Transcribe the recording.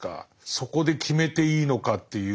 そこで決めていいのかっていう。